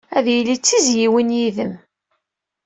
Ad yili d tizzyiwin yid-m.